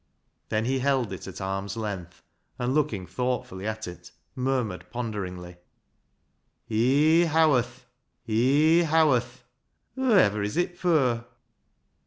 Then he held it at arm's length, and looking thoughtfully at it, murmured ponderingly —" Hee Howarth ! Hee Howarth ! Whoaiver is it fur